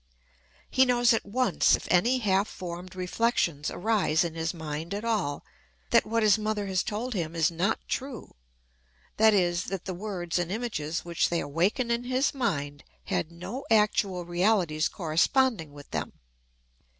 He knows at once, if any half formed reflections arise in his mind at all, that what his mother has told him is not true that is, that the words and images which they awaken in his mind had no actual realities corresponding with them.